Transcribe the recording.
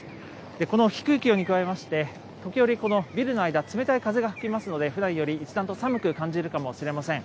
この低い気温に加えまして、時折このビルの間、冷たい風が吹きますので、ふだんより一段と寒く感じるかもしれません。